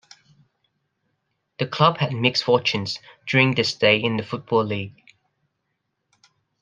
The club had mixed fortunes during their stay in the Football League.